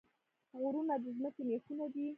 غرونه د ځمکې میخونه دي